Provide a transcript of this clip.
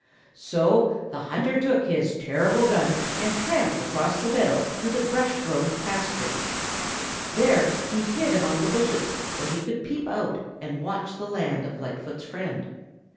So the hunter took his terrible gun and tramped across the meadow to the brush grown pasture. There he hid among the bushes where he could peep out and watch the land of Lightfoot's friend.